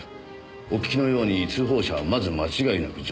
お聞きのように通報者はまず間違いなく女性です。